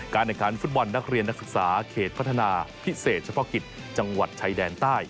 แห่งขันฟุตบอลนักเรียนนักศึกษาเขตพัฒนาพิเศษเฉพาะกิจจังหวัดชายแดนใต้